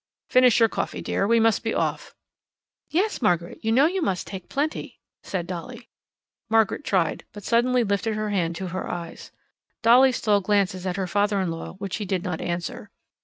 "Finish your coffee, dear. We must be off." "Yes, Margaret, you know you must take plenty," said Dolly. Margaret tried, but suddenly lifted her hand to her eyes. Dolly stole glances at her father in law which he did not answer.